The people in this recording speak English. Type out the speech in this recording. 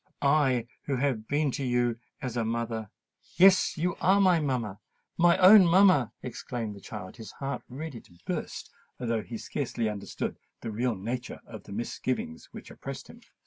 I who have been to you as a mother——" "Yes—you are my mamma—my own mamma," exclaimed the child, his heart ready to burst, although he scarcely understood the real nature of the misgivings which oppressed him.